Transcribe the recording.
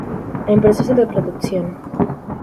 En proceso de producción